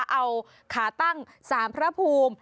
เอาขาตั้งสารพระภูมิ